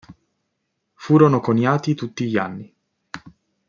Furono coniati tutti gli anni.